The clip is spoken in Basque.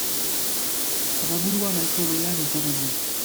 Adaburua nahiko behean izaten du.